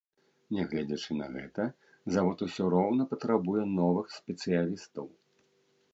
Нягледзячы на гэта, завод усё роўна патрабуе новых спецыялістаў.